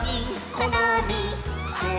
このみっ！」